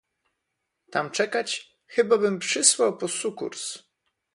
"Tam czekać, chybabym przysłał po sukurs."